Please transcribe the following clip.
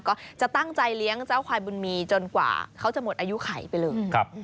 ก็จะตั้งใจเลี้ยงเจ้าควายบุญมีจนกว่าเขาจะหมดอายุไขไปเลย